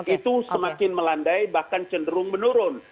itu semakin melandai bahkan cenderung menurun